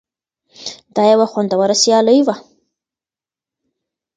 دا یوه خوندوره سیالي وه.